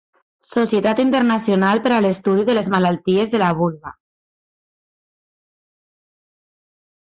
Societat Internacional per a l'Estudi de les Malalties de la Vulva.